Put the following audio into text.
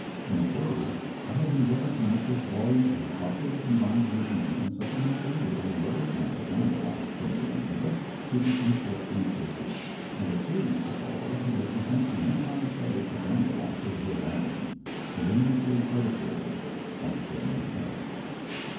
In a word, I have endeavored to make this volume a popular combined review and supplemental reader on the lower forms of animal life from the Amœba to the insects inclusive, and the series to follow will present the entire subject of animal life or zoölogy, voluminously illustrated, on a similar plan.